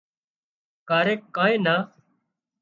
ڪاريڪ ڪانئين نا